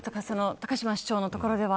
高島市長のところでは。